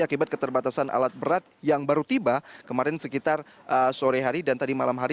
akibat keterbatasan alat berat yang baru tiba kemarin sekitar sore hari dan tadi malam hari